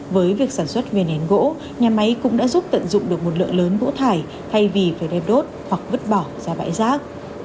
với việc sản xuất viên nén gỗ nhà máy cũng đã giúp tận dụng được một lượng lớn gỗ thải thay vì phải đem đốt hoặc vứt bỏ ra bãi rác